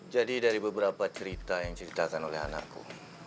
jadi dari beberapa cerita yang diceritakan oleh anakku